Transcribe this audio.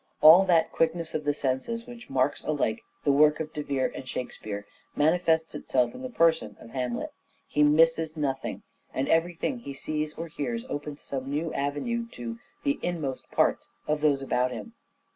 All that quickness of the senses which marks alike the work of De Vere and Shakespeare manifests itself in the person of Hamlet. He misses nothing ; and every thing he sees or hears opens some new avenue to the " inmost parts " of those about him.